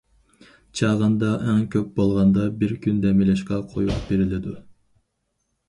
چاغاندا ئەڭ كۆپ بولغاندا بىر كۈن دەم ئېلىشقا قۇيۇپ بېرىلىدۇ.